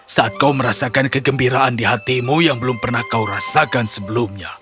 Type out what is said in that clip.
saat kau merasakan kegembiraan di hatimu yang belum pernah kau rasakan sebelumnya